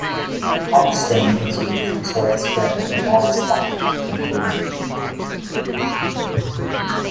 Hoechst stain is used to sort sperm in livestock and humans.